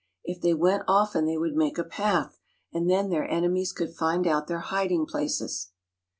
If they went often they would make a path, and then their enemies could find out their hiding places.